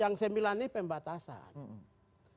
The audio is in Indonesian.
yang sembilan ini pembatasan